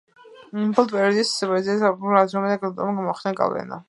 ბოლო პერიოდის პოეზიაზე ევროპულმა აზროვნებამ და ლიტერატურამ მოახდინა გავლენა.